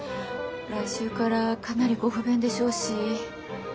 来週からかなりご不便でしょうし。